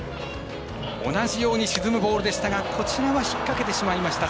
同じように沈むボールでしたがこちらは引っ掛けてしまいました。